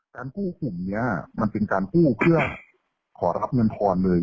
กู้กลุ่มนี้มันเป็นการกู้เพื่อขอรับเงินทอนเลย